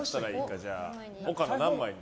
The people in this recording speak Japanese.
じゃあ、岡野、何枚に？